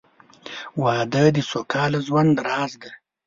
• واده د سوکاله ژوند راز دی.